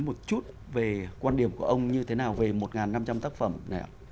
một chút về quan điểm của ông như thế nào về một năm trăm linh tác phẩm này ạ